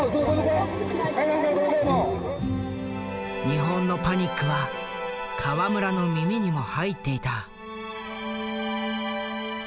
日本のパニックは河村の耳にも入っていた。